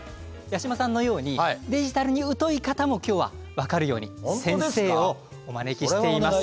八嶋さんのようにデジタルに疎い方も今日は分かるように先生をお招きしています。